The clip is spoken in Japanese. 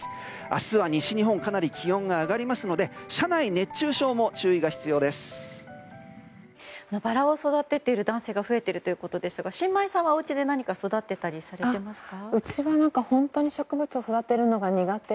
明日は西日本かなり気温が上がりますので車内、熱中症もバラを育てている男性が増えているということでしたが申真衣さんはおうちで何か育てていますか。